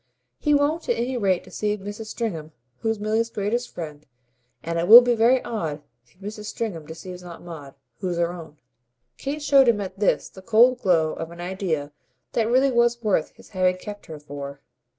He won't at any rate deceive Mrs. Stringham, who's Milly's greatest friend; and it will be very odd if Mrs. Stringham deceives Aunt Maud, who's her own." Kate showed him at this the cold glow of an idea that really was worth his having kept her for.